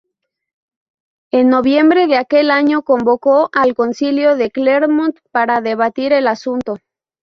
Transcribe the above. En noviembre de aquel año convocó el Concilio de Clermont para debatir el asunto.